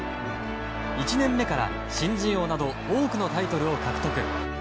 １年目から新人王など多くのタイトルを獲得。